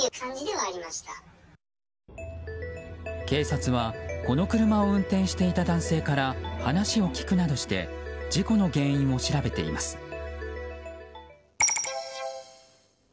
警察は、この車を運転していた男性から話を聞くなどして事故の原因を調べています。